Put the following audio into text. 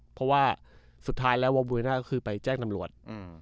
เพราะว่าสุดท้ายแล้ววอเวน่าก็คือไปแจ้งตำรวจ